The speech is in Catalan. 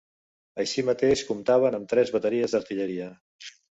Així mateix comptaven amb tres bateries d'artilleria.